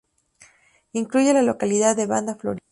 Incluye la localidad de Banda Florida.